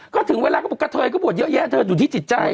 ก็ถึงเวลาก็บอกกะเทยก็บวชเยอะแยะเธออยู่ที่จิตใจ